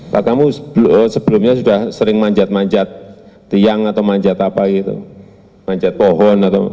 pak kamu sebelumnya sudah sering manjat manjat tiang atau manjat apa gitu manjat pohon atau